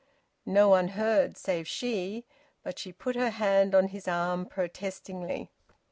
No one heard save she. But she put her hand on his arm protestingly.